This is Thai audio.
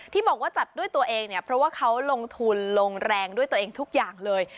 ที่บอกว่าจัดด้วยตัวเองเนี่ยเพราะว่าเขาลงทุนลงแรงด้วยตัวเองทุกอย่างเลย